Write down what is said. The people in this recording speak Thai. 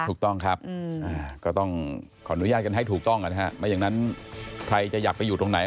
ถูกต้องครับก็ต้องขออนุญาตกันให้ถูกต้องนะฮะไม่อย่างนั้นใครจะอยากไปอยู่ตรงไหน